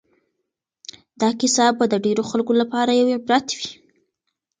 دا کیسه به د ډېرو خلکو لپاره یو عبرت وي.